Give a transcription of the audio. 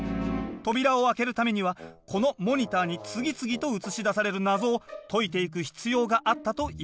扉を開けるためにはこのモニターに次々と映し出される謎を解いていく必要があったといいます。